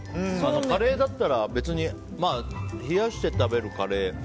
カレーだったら別に、冷やして食べるカレー。